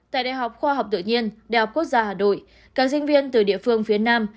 tại đại học khoa học tự nhiên đại học quốc gia hà nội các sinh viên từ địa phương phía nam